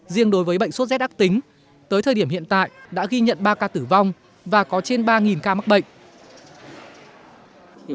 riêng đối với bệnh sốt rét ác tính tới thời điểm hiện tại đã ghi nhận ba ca tử vong và có trên ba ca mắc bệnh